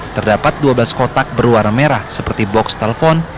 terdapat dua belas kotak berwarna merah seperti box telpon